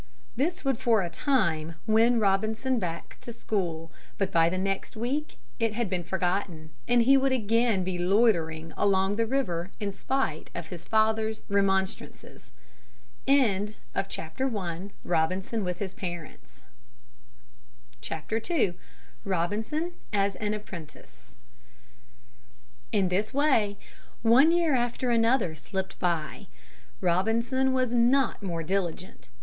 This would for a time win Robinson back to school, but by the next week it had been forgotten and he would again be loitering along the river in spite of his father's remonstrances. II ROBINSON AS AN APPRENTICE In this way one year after another slipped by. Robinson was not more diligent.